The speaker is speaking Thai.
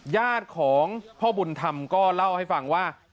ญาติของพ่อบุญธรรมก็เล่าให้ฟังว่า